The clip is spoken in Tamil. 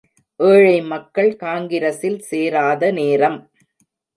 ஏழை மக்கள் காங்கிரசில் சேராத நேரம்.